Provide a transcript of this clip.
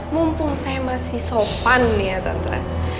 mumpung saya masih sopan ya tante